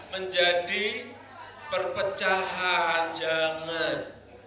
menjadi perpecahan jangan